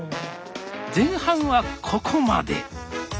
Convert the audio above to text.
前半はここまで。